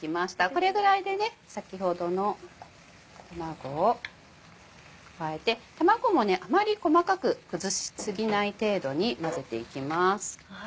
これぐらいで先ほどの卵を加えて卵もあまり細かく崩し過ぎない程度に混ぜていきます。